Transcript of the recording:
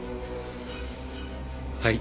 はい。